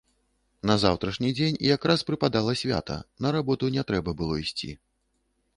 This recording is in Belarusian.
На заўтрашні дзень якраз прыпадала свята, на работу не трэба было ісці.